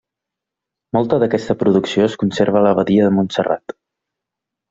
Molta d'aquesta producció es conserva a l'abadia de Montserrat.